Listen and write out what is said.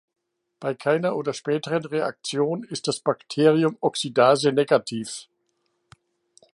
Bei keiner oder späteren Reaktion ist das Bakterium Oxidase-negativ.